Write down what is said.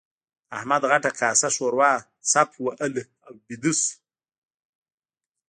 احمد غټه کاسه ښوروا څپه وهله او ويده شو.